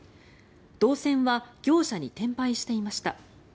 銅線は業者に転売していました。